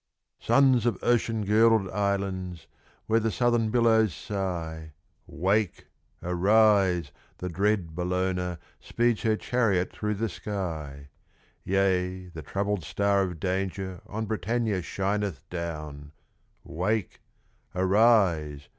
_) Sons of ocean girdled islands, Where the southern billows sigh, Wake! arise! the dread Bellona Speeds her chariot through the sky; Yea, the troubled star of danger On Britannia shineth down Wake! arise!